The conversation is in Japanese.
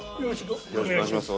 よろしくお願いします。